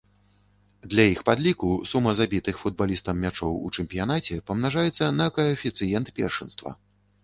Для іх падліку сума забітых футбалістам мячоў у чэмпіянаце памнажаецца на каэфіцыент першынства.